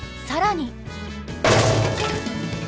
更に！